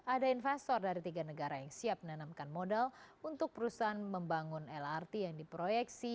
ada investor dari tiga negara yang siap menanamkan modal untuk perusahaan membangun lrt yang diproyeksi